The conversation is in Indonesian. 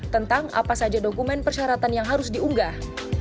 tentang apa saja dokumen persyaratan yang harus diunggah